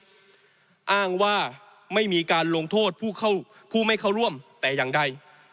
อ้างว่าไม่มีการลงโทษผู้ไม่เข้าร่วมแต่อย่างใด